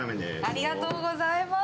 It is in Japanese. ありがとうございます。